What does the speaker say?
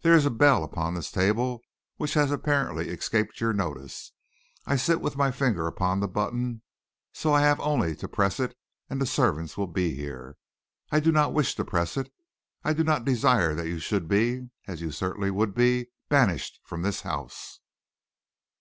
There is a bell upon this table which has apparently escaped your notice. I sit with my finger upon the button so. I have only to press it, and the servants will be here. I do not wish to press it. I do not desire that you should be, as you certainly would be, banished from this house."